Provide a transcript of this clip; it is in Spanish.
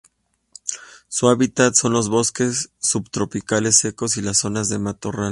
Su hábitat son los bosques subtropicales secos y las zonas de matorral.